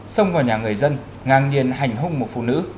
sông vào nhà người dân ngang nhiên hành hùng một phụ nữ